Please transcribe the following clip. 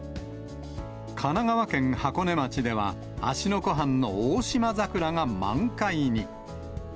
神奈川県箱根町では、芦ノ湖畔のオオシマザクラが満開に。